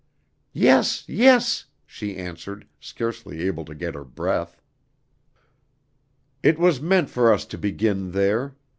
"Yes! Yes!" she answered, scarcely able to get her breath. "It was meant for us to begin there.